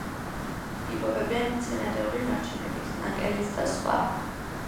იკვებებიან მცენარეული ნარჩენებით, ნაკელით და სხვა.